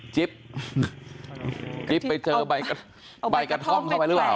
จิ๊บจิ๊บไปเจอใบกระท่อมเข้าไปหรือเปล่า